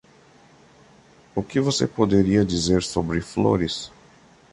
O que você poderia dizer sobre flores?